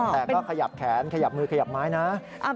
แต่ก็ขยับแขนขยับมือขยับไม้นะ